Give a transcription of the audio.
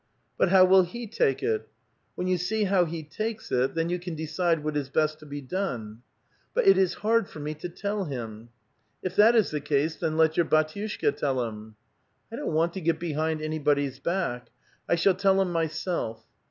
''But how will he take it?" When you see how he takes it, then you can decide what is best to be done." '' But it is hard for me to tell him." *' If that is the case, then let your bdtiushka tell him." " I don't want to get behind anybody's back ; I shall tell him myself."